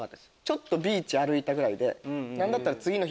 ちょっとビーチ歩いたぐらいで。